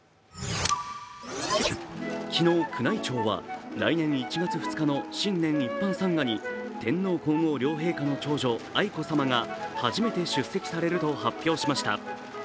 昨日、宮内庁は来年１月２日の新年一般参賀に天皇皇后両陛下の長女・愛子さまが初めて出席されると発表しました。